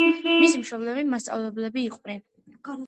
მისი მშობლები მასწავლებლები იყვნენ.